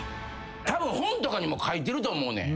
たぶん本とかにも書いてると思うねん。